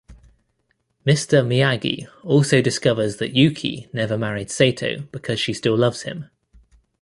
Mister Miyagi also discovers that Yukie never married Sato because she still loves him.